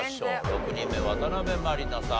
６人目渡辺満里奈さん